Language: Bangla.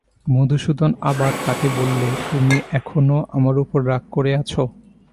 মধুসূদন আবার তাকে বললে, তুমি এখনো আমার উপর রাগ করে আছ?